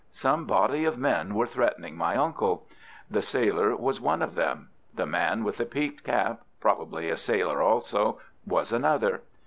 Some body of men were threatening my uncle. The sailor was one of them. The man with the peaked cap—probably a sailor also—was another.